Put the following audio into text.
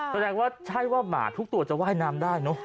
แสดงว่าใช่ว่าหมาทุกตัวจะว่ายน้ำได้เนอะ